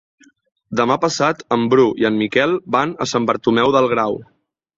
Demà passat en Bru i en Miquel van a Sant Bartomeu del Grau.